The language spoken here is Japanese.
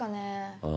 ああ。